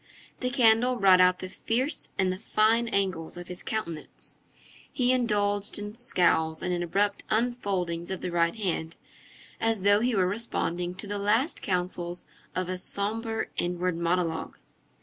The candle brought out the fierce and the fine angles of his countenance. He indulged in scowls and in abrupt unfoldings of the right hand, as though he were responding to the last counsels of a sombre inward monologue.